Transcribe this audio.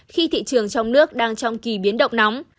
khi thị trường trong nước đang trong kỳ biến động nóng